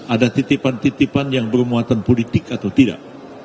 ada titipan titipan yang bermuatan politik atau tidak